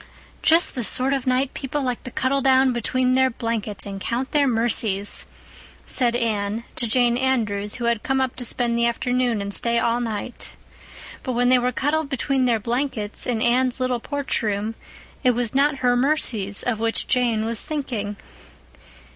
"Just the sort of night people like to cuddle down between their blankets and count their mercies," said Anne to Jane Andrews, who had come up to spend the afternoon and stay all night. But when they were cuddled between their blankets, in Anne's little porch room, it was not her mercies of which Jane was thinking.